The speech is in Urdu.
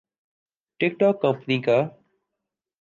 ٹک ٹوک کمپنی کا